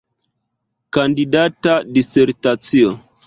Kandidata disertacio.